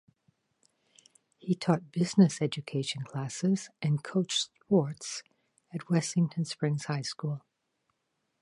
He taught business education classes and coached sports at Wessington Springs High School.